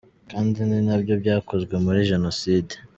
Kandi ni nabyo byakozwe muri Jenoside.